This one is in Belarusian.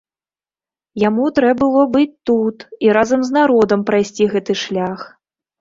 Яму трэ было быць тут, і разам з народам прайсці гэты шлях.